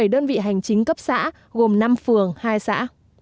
bảy đơn vị hành chính cấp xã gồm năm phường hai xã